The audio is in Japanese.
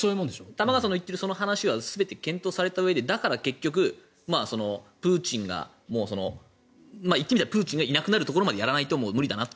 玉川さんの言っているその話は全て検討されたうえでだから結局、プーチンが言ってみればプーチンがいなくなところまでやらないともう無理だなと。